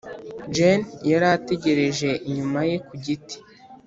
] jane yari ategereje inyuma ye ku giti.